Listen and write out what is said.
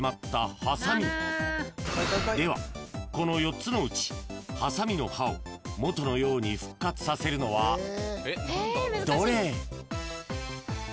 ［ではこの４つのうちはさみの刃を元のように復活させるのはどれ？］